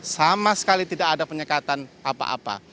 sama sekali tidak ada penyekatan apa apa